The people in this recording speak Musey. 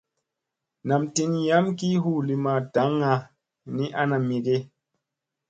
Nam tin yam ki huu li ma daŋŋa ni ana mi ge.